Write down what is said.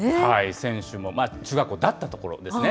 選手も、中学校だった所ですね。